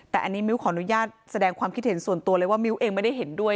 แต่อันนี้มิ้วขออนุญาตแสดงความคิดเห็นส่วนตัวเลยว่ามิ้วเองไม่ได้เห็นด้วย